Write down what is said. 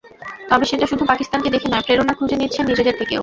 তবে সেটা শুধু পাকিস্তানকে দেখে নয়, প্রেরণা খুঁজে নিচ্ছেন নিজেদের থেকেও।